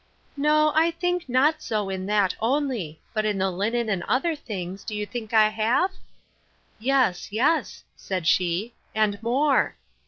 No, I think not so, in that only; but in the linen, and other things, do you think I have? Yes, yes, said she, and more.